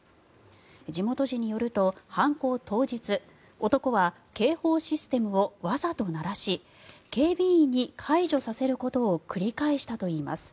地元紙によると犯行当日男は警報システムをわざと鳴らし警備員に解除させることを繰り返したといいます。